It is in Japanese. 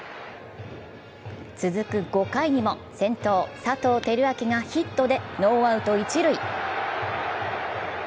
続く５回にも先頭・佐藤輝明がヒットでノーアウト一塁。